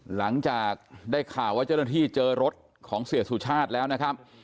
หลังจากได้ข่าวว่าเจ้าหน้าที่เจอรถของเสียสุชาติแล้วนะครับ